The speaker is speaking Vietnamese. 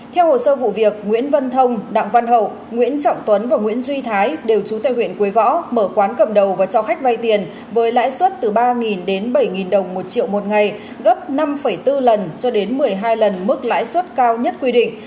theo hồ sơ vụ việc nguyễn văn thông đặng văn hậu nguyễn trọng tuấn và nguyễn duy thái đều trú tại huyện quế võ mở quán cầm đầu và cho khách vay tiền với lãi suất từ ba đến bảy đồng một triệu một ngày gấp năm bốn lần cho đến một mươi hai lần mức lãi suất cao nhất quy định